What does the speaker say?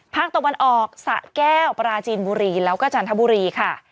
ภาคตะวันออกสะแก้วปราจีนบุรีแล้วก็จันทบุรีค่ะ